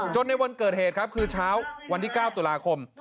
ในวันเกิดเหตุครับคือเช้าวันที่๙ตุลาคม